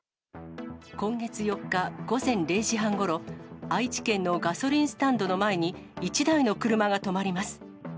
今月４日午前０時半ごろ、愛知県のガソリンスタンドの前に、１台の車が止まります。